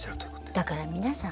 だから皆さん。